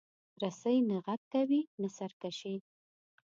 رسۍ نه غږ کوي، نه سرکشي.